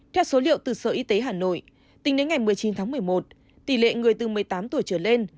theo số liệu từ sở y tế hà nội tính đến ngày một mươi chín tháng một mươi một tỷ lệ người từ một mươi tám tuổi trở lên